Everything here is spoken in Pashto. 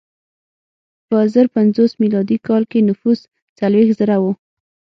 په زر پنځوس میلادي کال کې نفوس څلوېښت زره و.